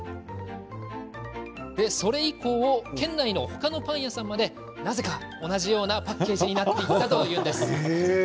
それ以降県内の他のパン屋さんまでなぜか同じようなパッケージになっていったというんです。